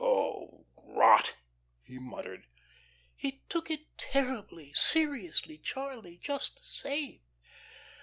"Oh, rot!" he muttered. "He took it terribly, seriously, Charlie, just the same."